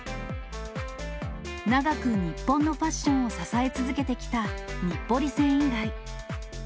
長く日本のファッションを支え続けてきた日暮里繊維街。